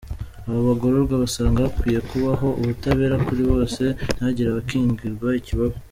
Aba bagororwa basanga hakwiye kubaho ubutabera kuri bose ntihagire abakingirwa ikibaba.